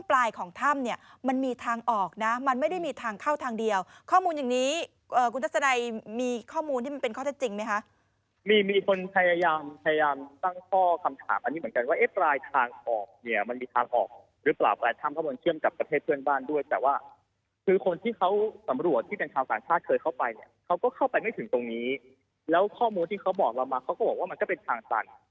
แล้วข้อมูลที่เขาบอกมาเขาก็บอกว่ามันก็เป็นทางตัน